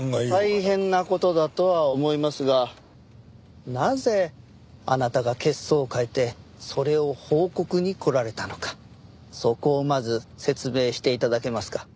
大変な事だとは思いますがなぜあなたが血相を変えてそれを報告に来られたのかそこをまず説明して頂けますか？